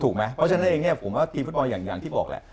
เพราะฉะนั้นเองเนี่ยผมว่าทีมฟุตบอลอย่างที่บอกแหละ